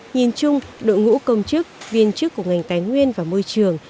nhìn chung đội ngũ công chức viên chức của ngành tài nguyên và môi trường